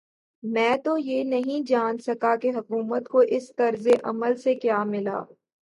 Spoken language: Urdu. میں تو یہ نہیں جان سکا کہ حکومت کو اس طرز عمل سے کیا ملا؟